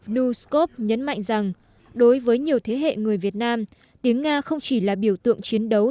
nuskov nhấn mạnh rằng đối với nhiều thế hệ người việt nam tiếng nga không chỉ là biểu tượng chiến đấu